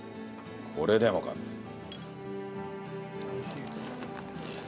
これでもかっていう。